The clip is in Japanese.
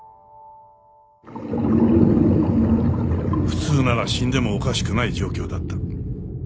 普通なら死んでもおかしくない状況だった。